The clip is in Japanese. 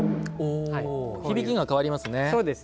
響きが変わりますね。